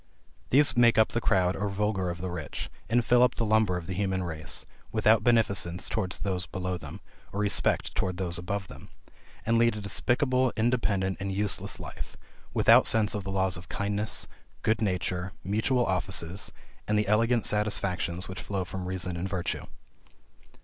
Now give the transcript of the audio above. These make up the crowd or vulgar of the rich, and fill up the lumber of the human race, without beneficence towards those below them, or respect towards those above them; and lead a despicable, independent, and useless life, without sense of the laws of kindness, good nature, mutual offices, and the elegant satisfactions which flow from reason and virtue.